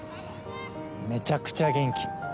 めちゃくちゃ元気。